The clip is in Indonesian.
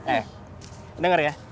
eh denger ya